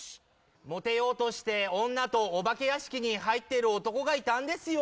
モテようとして女とお化け屋敷に入っている男がいたんですよ。